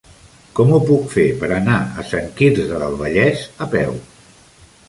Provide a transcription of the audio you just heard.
Com ho puc fer per anar a Sant Quirze del Vallès a peu?